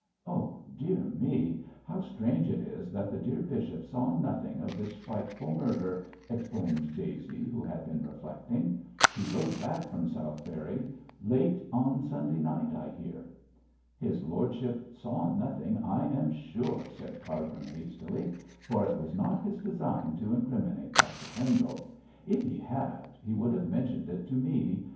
'Oh, dear me! how strange it is that the dear bishop saw nothing of this frightful murder,' exclaimed Daisy, who had been reflecting. 'He rode back from Southberry late on Sunday night, I hear.' 'His lordship saw nothing, I am sure,' said Cargrim, hastily, for it was not his design to incriminate Dr Pendle; 'if he had, he would have mentioned it to me.